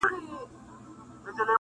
چي ته ډنګر یې که خېټور یې،